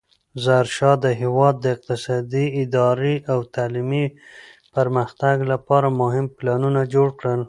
ظاهرشاه د هېواد د اقتصادي، اداري او تعلیمي پرمختګ لپاره مهم پلانونه جوړ کړل.